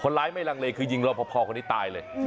คนร้ายไม่รังเลคือยิงรอบพอร์คนนี้ตายเลย